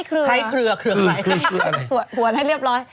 ฌอลให้เรียบร้อย